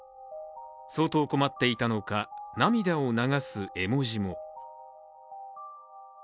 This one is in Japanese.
相当困っていたのか涙を流す絵文字も。